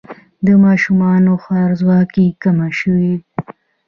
د ماشومانو خوارځواکي کمه شوې؟